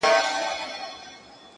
چي د ښـكلا خبري پټي ساتي _